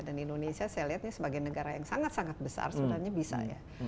dan indonesia saya lihatnya sebagai negara yang sangat sangat besar sebenarnya bisa ya